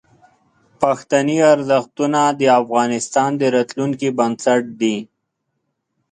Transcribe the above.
پښتني ارزښتونه د افغانستان د راتلونکي بنسټ دي.